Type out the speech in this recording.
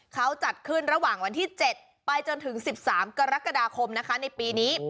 เขาจัดขึ้นระหว่างวันที่๗ไปจนถึง๑๓กรกฎาคมนะคะในปีนี้